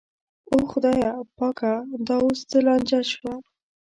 او خدایه پاکه دا اوس څه لانجه شوه.